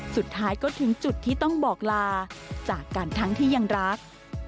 สุดท้ายก็ถึงจุดที่ต้องบอกลาจากกันทั้งที่ยังรัก